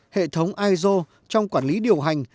hệ thống iso trong quản lý điều hành